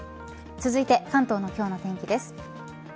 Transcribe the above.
続いて、関東の今日の天気です。